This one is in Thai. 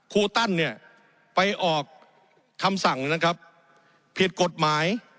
ครูตันเนี่ยไปออกคำสั่งนะครับผิดกฎหมาย